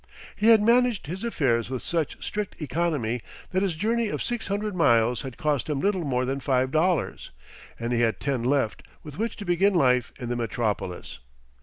He had managed his affairs with such strict economy that his journey of six hundred miles had cost him little more than five dollars, and he had ten left with which to begin life in the metropolis.